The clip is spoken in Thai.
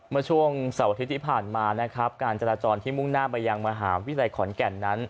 เมื่อช่วงเสาร์อาทิตย์ที่ผ่านมานะครับการจราจรที่มุ่งหน้าไปยังมหาวิทยาลัยขอนแก่นนั้น